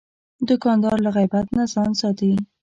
دوکاندار له غیبت نه ځان ساتي.